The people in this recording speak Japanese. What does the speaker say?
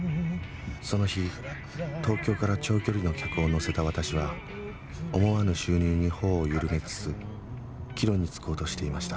［その日東京から長距離の客を乗せた私は思わぬ収入にほおを緩めつつ帰路につこうとしていました］